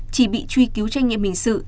chỉ bị truy cứu tranh nghiệm hình sự